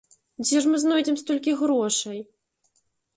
Дзе ж мы знойдзем столькі грошай?